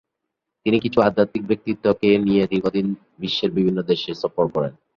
তিনি কিছু আধ্যাত্মিক ব্যক্তিত্বকে নিয়ে দীর্ঘ দিন বিশ্বের বিভিন্ন দেশ সফর করেন।